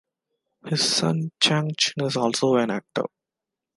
His son Chang Chen is also an actor.